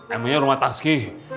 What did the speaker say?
emangnya rumah tangski